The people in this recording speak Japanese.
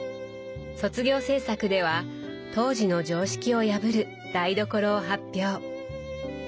卒業制作では当時の常識を破る台所を発表。